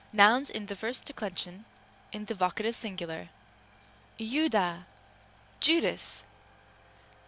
Nouns of the first declension, in the vocative singular. *Iovda, Judas!